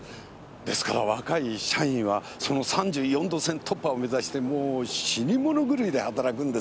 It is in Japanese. ですから若い社員はその３４度線突破を目指してもう死にものぐるいで働くんです。